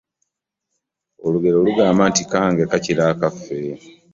Olugero lugamba nti "Kange ,kakira akaffe."